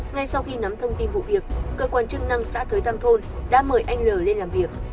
ngay sau khi nắm thông tin vụ việc cơ quan chức năng xã thới tăm thôn đã mời anh l lên làm việc